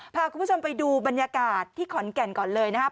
พาคุณผู้ชมไปดูบรรยากาศที่ขอนแก่นก่อนเลยนะครับ